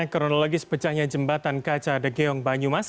karena kronologis pecahnya jembatan kaca di geyong banyumas